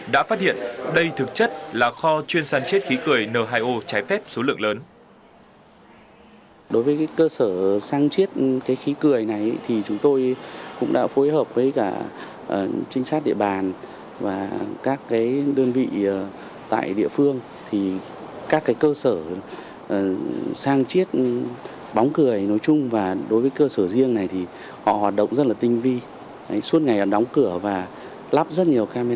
đã phát hiện đây thực chất là kho chuyên sàn chiết khí cười n hai o trái phép số lượng lớn